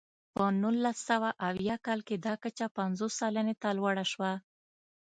په نولس سوه اویا کال کې دا کچه پنځوس سلنې ته لوړه شوه.